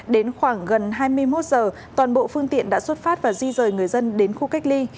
đến khoảng gần hai mươi một giờ toàn bộ phương tiện đã xuất phát và di rời người dân đến khu cách ly